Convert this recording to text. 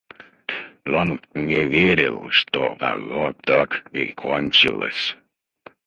Он не верил, что оно так и кончилось!